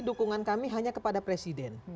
dukungan kami hanya kepada presiden